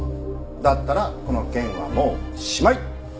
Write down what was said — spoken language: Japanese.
だったらこの件はもうしまい。